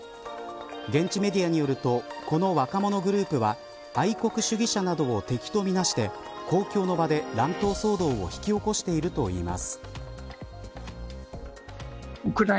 現地メディアによるとこの若者グループは愛国主義者などを敵と見なして公共の場で乱闘騒動を引き起こしているといいます。